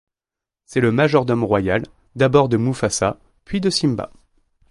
C'est le majordome royal, d'abord de Mufasa puis de Simba.